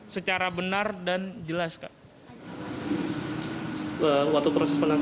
secara benar dan jelas kak